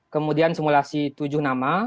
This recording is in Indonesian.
kemudian simulasi tujuh nama